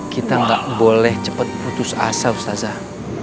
kita gak boleh cepet putus asa ustazah